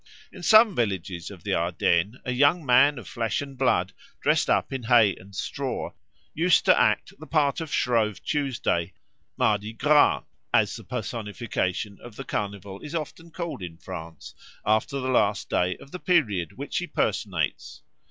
In some villages of the Ardennes a young man of flesh and blood, dressed up in hay and straw, used to act the part of Shrove Tuesday (Mardi Gras), as the personification of the Carnival is often called in France after the last day of the period which he personates.